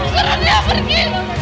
suruh dia pergi